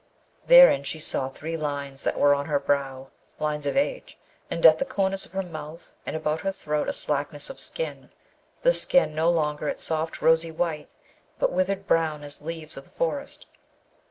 Therein she saw three lines that were on her brow, lines of age, and at the corners of her mouth and about her throat a slackness of skin, the skin no longer its soft rosy white, but withered brown as leaves of the forest.